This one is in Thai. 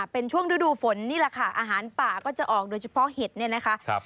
เป็นช่วงฤดูฝนนี่แหละค่ะอาหารป่าก็จะออกโดยเฉพาะเห็ดเนี่ยนะคะ